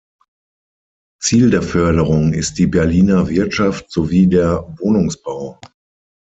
Ziel der Förderung ist die Berliner Wirtschaft sowie der Wohnungsbau.